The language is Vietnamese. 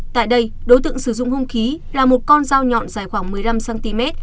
tại đây đối tượng sử dụng hung khí là một con dao nhọn dài khoảng một mươi năm cm